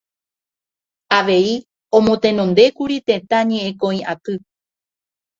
Avei omotenondékuri Tetã Ñe'ẽkõi Aty